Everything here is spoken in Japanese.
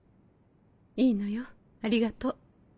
いいのよありがとう。